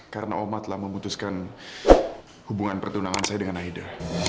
karena oma telah memutuskan hubungan pertunangan saya dengan aida